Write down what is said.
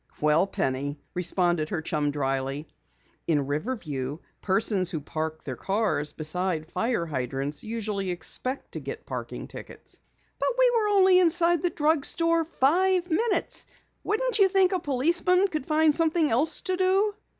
"Well, Penny," responded her chum dryly, "in Riverview persons who park their cars beside fire hydrants usually expect to get parking tickets." "But we were only inside the drugstore five minutes. Wouldn't you think a policeman could find something else to do?"